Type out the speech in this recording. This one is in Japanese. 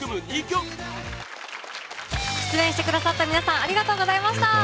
２曲出演してくださった皆さんありがとうございました。